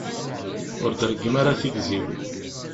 Ur d-reggem ara tigzi-w.